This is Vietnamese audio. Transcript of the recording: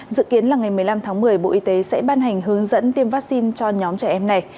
dự kiến là ngày một mươi năm tháng một mươi bộ y tế sẽ ban hành hướng dẫn tiêm vaccine cho nhóm trẻ em này